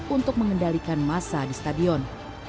untuk mengendalikan masa di stadion